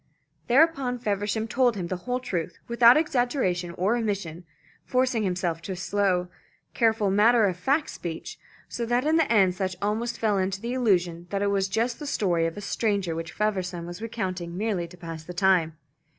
Thereupon Feversham told him the whole truth, without exaggeration or omission, forcing himself to a slow, careful, matter of fact speech, so that in the end Sutch almost fell into the illusion that it was just the story of a stranger which Feversham was recounting merely to pass the time.